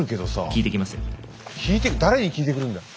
聞いて誰に聞いてくるんだよ？